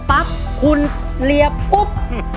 ปั๊บคุณเรียบปุ๊บ